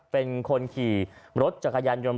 เป็นคนขี่รถจักรยานยนต์